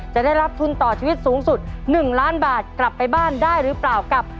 จะได้รับทุนต่อชีวิตสูงสุด๑ล้านบาทกลับไปบ้านได้หรือเปล่ากับ